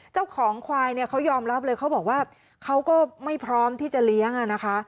เจ้าของควายเนี่ยเขายอมรับเลยเขาบอกว่าเขาก็ไม่พร้อมที่จะเลี้ยงอ่ะนะคะ